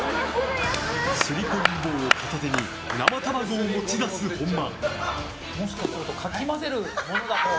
すりこぎ棒を片手に生卵を持ち出す本間。